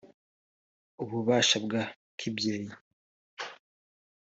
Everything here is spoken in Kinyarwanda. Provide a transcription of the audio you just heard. ububasha bwa kibyeyi